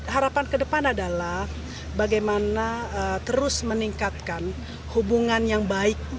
harapan ke depan adalah bagaimana terus meningkatkan hubungan yang baik